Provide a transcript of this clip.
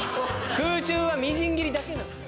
空中はみじん切りだけなんですよ